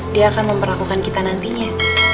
dia akan memperlakukan kita nantinya